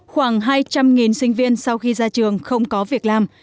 khoảng hai trăm linh sinh viên sau khi ra trường không có việc làm